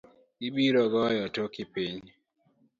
Ibiro goyo toki piny matek.